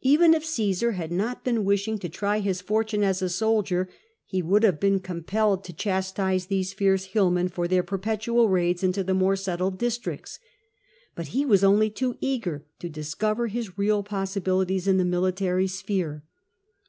Even if Cassar had not been wishing to try his fortune as a soldier, he would have been compelled to chastise these fierce hillmen for their perpetual raids into the more settled districts. But he was only too eager to discover his own possibilities in the military sphere.